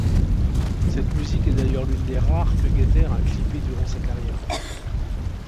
Cette musique est d’ailleurs l’une des rares que Getter a clippé durant sa carrière.